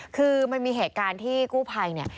คือมันมีเหตุการณ์ที่กู้ภัยเนี่ย